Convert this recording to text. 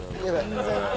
全然。